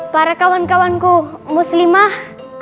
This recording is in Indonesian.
para kawan kawanku muslimah